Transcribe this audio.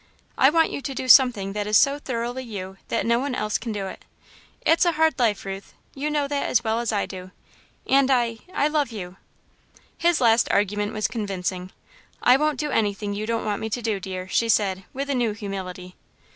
I want you to do something that is so thoroughly you that no one else can do it. It's a hard life, Ruth, you know that as well as I do, and I I love you." His last argument was convincing. "I won't do anything you don't want me to do, dear," she said, with a new humility.